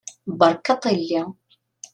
Beṛka aṭṭili!